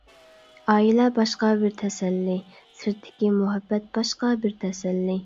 ئائىلە باشقا بىر تەسەللى، سىرتتىكى مۇھەببەت باشقا بىر تەسەللى.